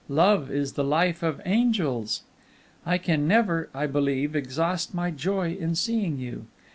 Love is the life of angels! "I can never, I believe, exhaust my joy in seeing you.